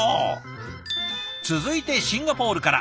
続いてシンガポールから。